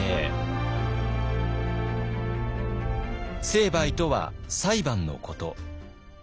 「成敗」とは「裁判」のこと。